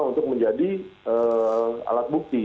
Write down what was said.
untuk menjadi alat bukti